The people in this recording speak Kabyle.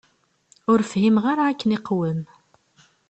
Ur fhimeɣ ara akken iqwem.